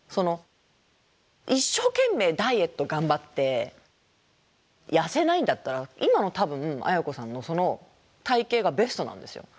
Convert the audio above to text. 一生懸命ダイエット頑張って痩せないんだったら今の多分あやこさんのその体型がベストなんですよ。